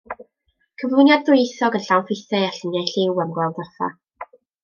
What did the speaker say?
Cyflwyniad dwyieithog yn llawn ffeithiau a lluniau lliw am Glawdd Offa.